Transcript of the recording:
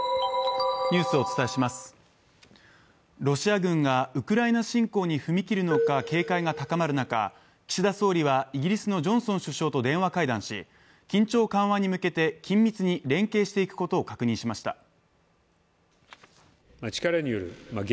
ロシア軍がウクライナ侵攻に踏み切るのか警戒が高まる中、岸田総理はイギリスのジョンソン首相と電話会談し緊張緩和に向けて緊密に連携していくことを確認しました。